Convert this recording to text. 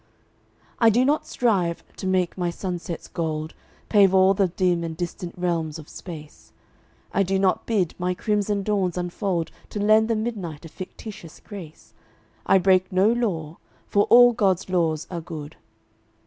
"I do not strive to make my sunsets' gold Pave all the dim and distant realms of space. I do not bid my crimson dawns unfold To lend the midnight a fictitious grace. I break no law, for all God's laws are good.